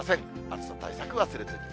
暑さ対策忘れずに。